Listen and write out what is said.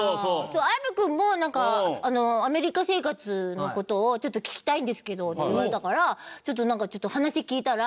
綾部君もなんか「アメリカ生活の事をちょっと聞きたいんですけど」って言われたからちょっと話聞いたら。